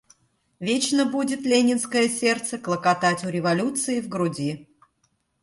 Вечно будет ленинское сердце клокотать у революции в груди.